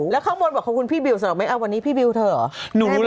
แล้วข้างบนบอกขอบคุณพี่บิวเสนอไหมวันนี้พี่บิวเถอะเหรอ